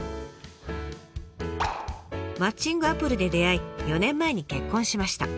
マッチングアプリで出会い４年前に結婚しました。